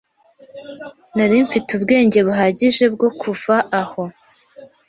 Nari mfite ubwenge buhagije bwo kuva aho.